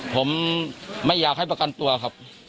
ผมไม่อยากให้ประกันตัวครับ